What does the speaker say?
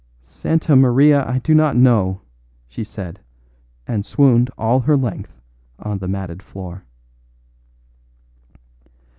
"Santa Maria! I do not know," she said; and swooned all her length on the matted floor.